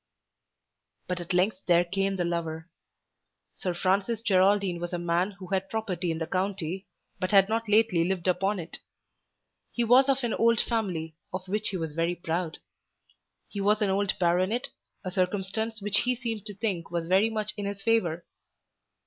But at length there came the lover. Sir Francis Geraldine was a man who had property in the county but had not lately lived upon it. He was of an old family, of which he was very proud. He was an old baronet, a circumstance which he seemed to think was very much in his favour.